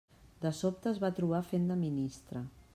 De sobte es va trobar fent de ministre.